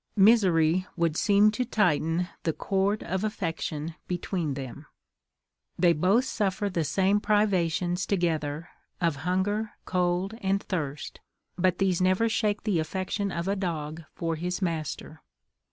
Misery would seem to tighten the cord of affection between them. They both suffer the same privations together of hunger, cold, and thirst, but these never shake the affection of a dog for his master.